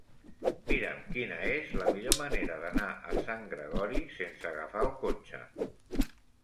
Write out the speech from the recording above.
Mira'm quina és la millor manera d'anar a Sant Gregori sense agafar el cotxe.